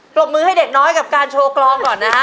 รบมือให้เด็กน้อยกับการโชว์กลองก่อนนะฮะ